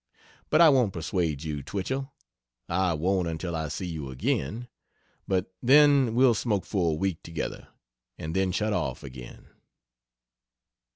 But I won't persuade you, Twichell I won't until I see you again but then we'll smoke for a week together, and then shut off again.